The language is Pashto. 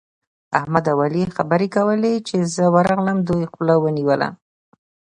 احمد او علي خبرې کولې؛ چې زه ورغلم، دوی خوله ونيوله.